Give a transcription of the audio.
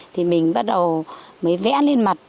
thì mình bắt đầu mới vẽ lên mặt